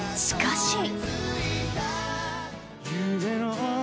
しかし。